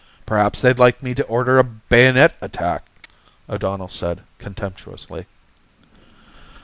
"Perhaps they'd like me to order a bayonet attack," O'Donnell said contemptuously.